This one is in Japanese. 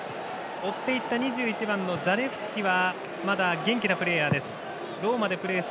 追って行った２１番のザレフスキはまだ元気なプレーヤーです。